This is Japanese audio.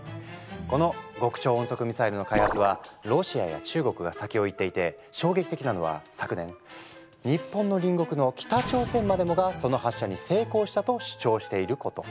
この極超音速ミサイルの開発はロシアや中国が先を行っていて衝撃的なのは昨年日本の隣国の北朝鮮までもがその発射に成功したと主張していること。